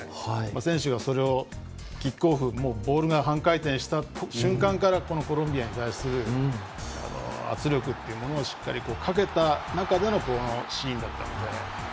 選手がキックオフでボールが半回転した瞬間からコロンビアに対する圧力というものをしっかりかけた中でのこのシーンだったので。